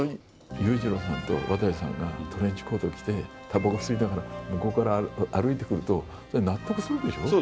裕次郎さんと渡さんがトレンチコートを着て、たばこ吸いながら、向こうから歩いてくると、そうです。